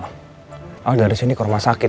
oh dari sini ke rumah sakit